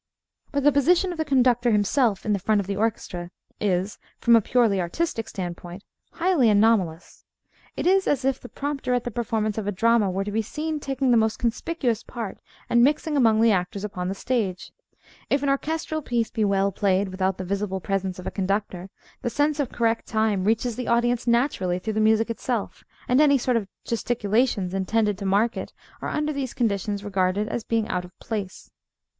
But the position of the conductor himself in the front of an orchestra is, from a purely artistic standpoint, highly anomalous. It is as if the prompter at the performance of a drama were to be seen taking the most conspicuous part and mixing among the actors upon the stage. If an orchestral piece be well played without the visible presence of a conductor, the sense of correct time reaches the audience naturally through the music itself; and any sort of gesticulations intended to mark it are under these conditions regarded as being out of place.